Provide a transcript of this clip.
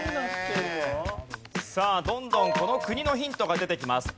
さあどんどんこの国のヒントが出てきます。